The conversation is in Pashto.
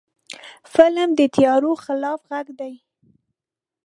فلم د تیارو خلاف غږ دی